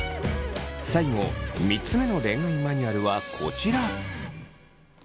最後３つ目の恋愛マニュアルはこちら。